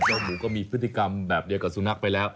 หมูก็มีพฤติกรรมแบบเดียวกับสุนัขไปแล้ว